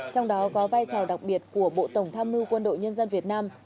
trong đó có vai trò đặc biệt của bộ tổng tham mưu quân đội nhân dân việt nam